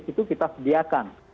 itu kita sediakan